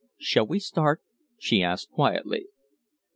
"Shall we start?" she asked, quietly.